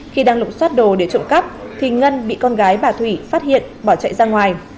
khi đang lục xoát đồ để trộm cắp thì ngân bị con gái bà thủy phát hiện bỏ chạy ra ngoài